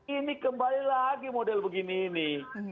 ini kembali lagi model begini ini